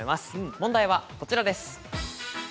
問題はこちらです。